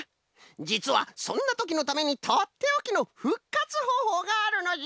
じつはそんなときのためにとっておきのふっかつほうほうがあるのじゃ！